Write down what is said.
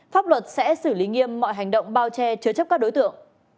pháp luật sẽ xử lý nghiêm mọi hành động bao che chứa chấp các đối tượng